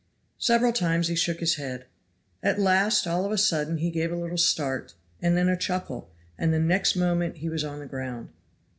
Several times he shook his head. At last all of a sudden he gave a little start, and then a chuckle, and the next moment he was on the ground.